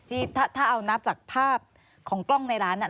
ที่ถ้าเอานับจากภาพของกล้องในร้านน่ะ